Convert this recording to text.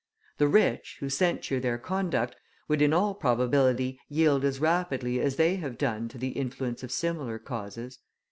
The rich, who censure their conduct, would in all probability yield as rapidly as they have done to the influence of similar causes.